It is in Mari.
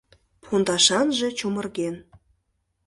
Пондашанже чумырген.